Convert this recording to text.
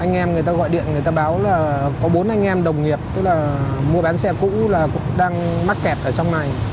anh em người ta gọi điện người ta báo là có bốn anh em đồng nghiệp mua bán xe cũ đang mắc kẹt ở trong này